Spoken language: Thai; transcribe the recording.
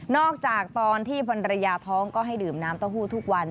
จากตอนที่ภรรยาท้องก็ให้ดื่มน้ำเต้าหู้ทุกวัน